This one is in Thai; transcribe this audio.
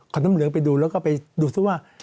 ขอเลือกไปดูแล้วก็ไปดูซึ่งว่า